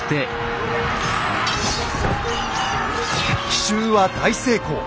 奇襲は大成功。